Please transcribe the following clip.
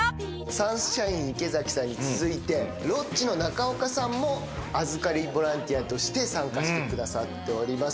サンシャイン池崎さんに続いて、ロッチ・中岡さんも預かりボランティアとして参加してくださっております。